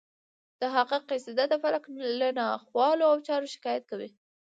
د هغه قصیده د فلک له ناخوالو او چارو شکایت کوي